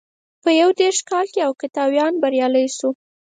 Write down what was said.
په یو دېرش کال کې اوکتاویان بریالی شو.